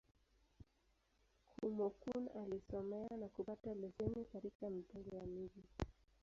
Kúmókụn alisomea, na kupata leseni katika Mipango ya Miji.